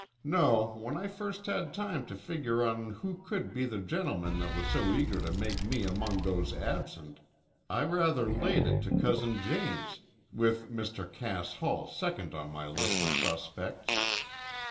No, when I first had time to figure on who could be the gentleman that was so eager to make me among those absent, I rather laid it to Cousin James, with Mr. Cass Hull second on my list of suspects.